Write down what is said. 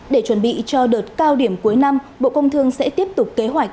để chuẩn bị cho đợt cao điểm cuối năm bộ công thương sẽ tiếp tục kế hoạch